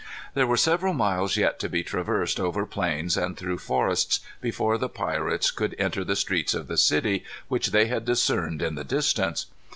There were several miles yet to be traversed over plains and through forests, before the pirates could enter the streets of the city, which they had discerned in the distance.